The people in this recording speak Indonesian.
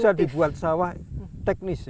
sudah dibuat sawah teknis